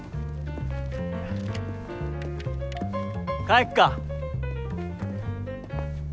帰っか。